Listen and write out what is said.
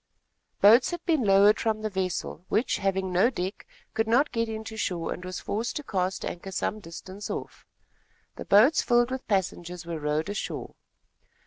Boats had been lowered from the vessel, which, having no deck, could not get into shore and was forced to cast anchor some distance off. The boats, filled with passengers, were rowed ashore.